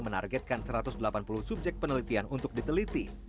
menargetkan satu ratus delapan puluh subjek penelitian untuk diteliti